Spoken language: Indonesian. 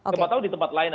sama sama di tempat lain